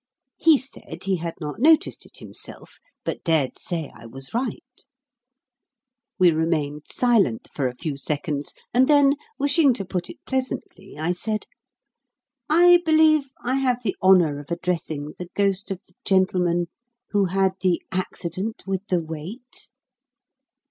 He said he had not noticed it himself, but dared say I was right. We remained silent for a few seconds, and then, wishing to put it pleasantly, I said, "I believe I have the honour of addressing the ghost of the gentleman who had the accident with the wait?"